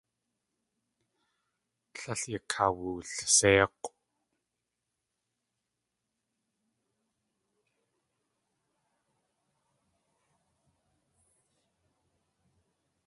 Tlél yakawulséik̲ʼw.